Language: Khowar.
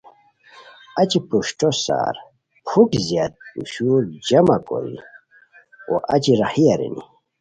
اچی پروشٹو سار پھوک زیاد پوشور جمع کوری وا اچی راہی ارینی